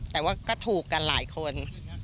แต่ว่าก็ถูกกันหลายคน